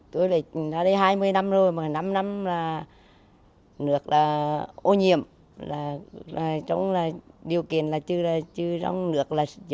tôi đã ở đây hai mươi năm rồi năm năm là nước ô nhiễm trong điều kiện chưa có nước